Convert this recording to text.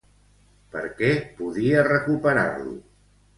Per què podia recuperar-lo?